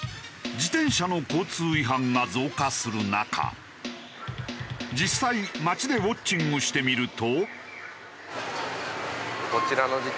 自転車の交通違反が増加する中実際街でウォッチングしてみると。